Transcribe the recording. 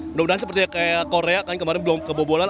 mudah mudahan seperti kayak korea kan kemarin belum kebobolan